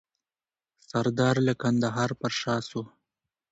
سردار له کندهار پر شا سو.